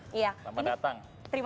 terima kasih ibarifana